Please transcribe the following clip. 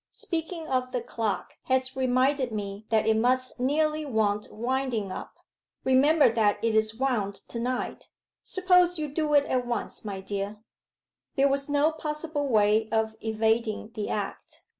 'Speaking of the clock has reminded me that it must nearly want winding up. Remember that it is wound to night. Suppose you do it at once, my dear.' There was no possible way of evading the act.